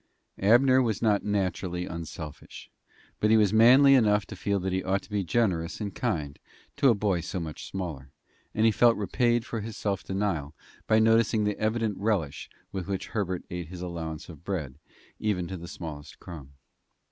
Abner was not naturally unselfish, but he was manly enough to feel that he ought to be generous and kind to a boy so much smaller, and he felt repaid for his self denial by noticing the evident relish with which Herbert ate his allowance of bread, even to the smallest crumb.